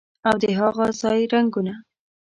او د هاغه ځای رنګونه